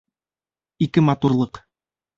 ИКЕ МАТУРЛЫҠ